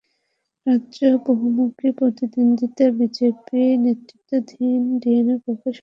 রাজ্যে বহুমুখী প্রতিদ্বন্দ্বিতা বিজেপি নেতৃত্বাধীন এনডিএর পক্ষে সহায়ক হবে বলে বিভিন্ন জরিপের অভিমত।